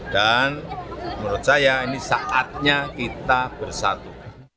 dan menurut saya ini saatnya kita bersatu